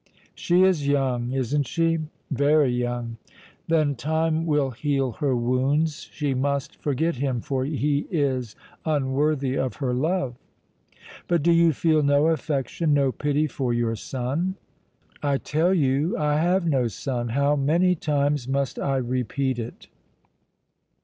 "She is young, isn't she?" "Very young." "Then time will heal her wounds. She must forget him, for he is unworthy of her love!" "But do you feel no affection, no pity, for your son?" "I tell you I have no son! How many times must I repeat it!"